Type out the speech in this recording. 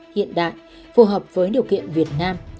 hiện đại phù hợp với điều kiện việt nam